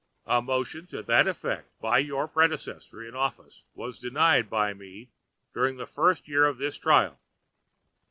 A motion to that effect by your predecessor in office was denied by me during the first year of this trial.